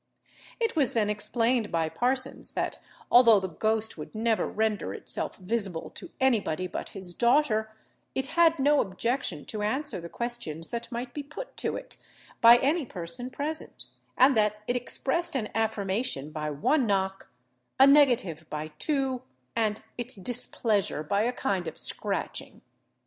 It was then explained by Parsons, that although the ghost would never render itself visible to any body but his daughter, it had no objection to answer the questions that might be put to it, by any person present, and that it expressed an affirmation by one knock, a negative by two, and its displeasure by a kind of scratching.